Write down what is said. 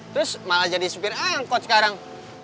terus malah jadi supir angkot sekarang